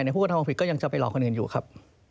พวกเขาทำความผิดก็ยังจะไปหลอกคนอื่นอยู่ครับ